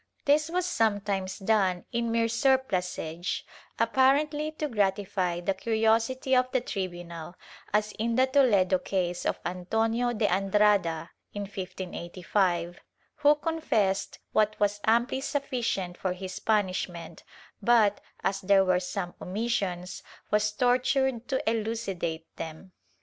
This was sometimes done in mere surplusage, apparently to gratify the curiosity of the tribunal, as in the Toledo case of Antonio de Andrada, in 1585, who confessed what was amply sufficient for his punishment, but, as there were some omissions, was tortured to elucidate them.